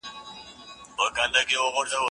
زه پرون سپينکۍ پرېولم وم!.